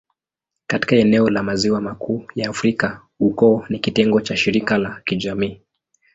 Katika eneo la Maziwa Makuu ya Afrika, ukoo ni kitengo cha shirika la kijamii.